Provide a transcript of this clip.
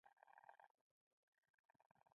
د مطالعې لپاره کتابونه ځان سره را اخلم.